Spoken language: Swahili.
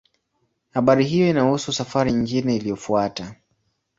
Habari hiyo inahusu safari nyingine iliyofuata.